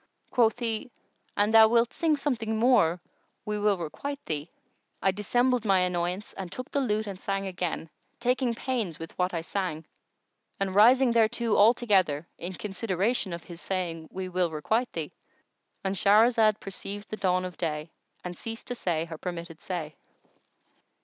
Quoth he, "An thou wilt sing something more we will requite thee." I dissembled my annoyance and took the lute and sang again, taking pains with what I sang and rising thereto altogether, in consideration of his saying, "We will requite thee."——And Shahrazad perceived the dawn of day and ceased to say her permitted say.